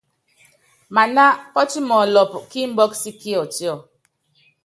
Maná pɔ́timɔlɔpɔ́ kí imbɔ́kɔ sí Kiɔtíɔ.